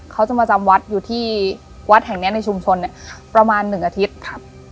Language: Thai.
เขาจะมาจำวัดอยู่ที่วัดแห่งเนี้ยในชุมชนเนี่ยประมาณหนึ่งอาทิตย์ครับ